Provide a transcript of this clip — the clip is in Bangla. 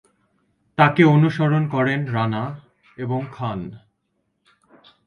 তাঁকে অনুসরণ করেন রানা এবং খান।